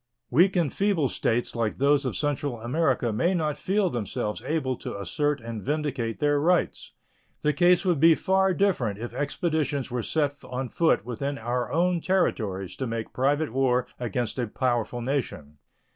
Weak and feeble states like those of Central America may not feel themselves able to assert and vindicate their rights. The case would be far different if expeditions were set on foot within our own territories to make private war against a powerful nation.